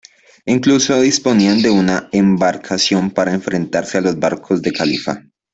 Incluso disponían de una embarcación para enfrentarse a los barcos del califa.